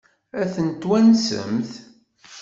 Ad ten-twansemt?